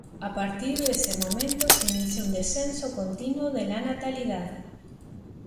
A partir de ese momento se inicia un descenso continuo de la natalidad.